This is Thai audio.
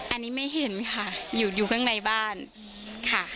อันนี้ไม่เห็นค่ะอยู่ข้างในบ้านค่ะ